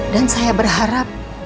dan saya berharap